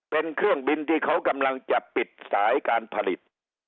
เป็นเครื่องบินที่เขากำลังจะปิดสายการผลิต